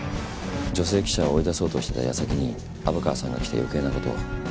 女性記者を追い出そうとしてたやさきに虻川さんが来て余計なことを。